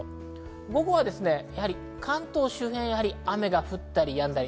午後は関東周辺は雨が降ったりやんだり。